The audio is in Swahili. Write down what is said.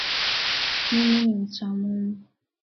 Mimi ni mcha Mungu